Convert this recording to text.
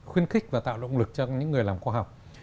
khuyến khích và tạo động lực cho những người làm khoa học